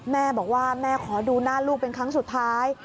แม่บอกว่าแม่ขอดูหน้าลูกเป็นครั้งสุดท้าย